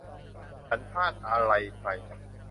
ฉันพลาดอะไรไป